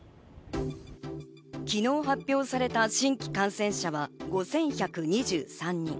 昨日発表された新規感染者は５１２３人。